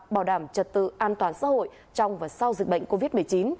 bảo đảm trật tự an toàn xã hội trong và sau dịch bệnh covid một mươi chín